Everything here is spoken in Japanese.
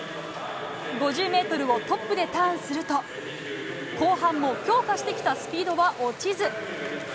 ５０ｍをトップでターンすると後半も強化してきたスピードは落ちず。